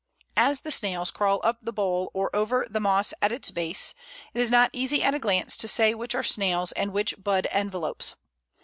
As the snails crawl up the bole or over the moss at its base, it is not easy at a glance to say which are snails and which bud envelopes.